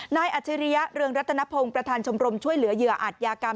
อาจริยะเรืองรัตนพงศ์ประธานชมรมช่วยเหลือเหยื่ออาจยากรรม